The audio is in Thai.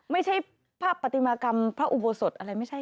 ไม่ใช่ภาพปฏิมากรรมพระอุโบสถอะไรไม่ใช่